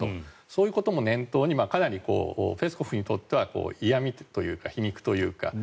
そういうことも念頭にかなりペスコフにとっては嫌みというか皮肉というか。